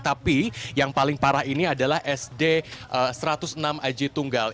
tapi yang paling parah ini adalah sd satu ratus enam aji tunggal